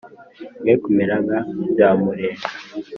Mwe kumera nka Byamurenga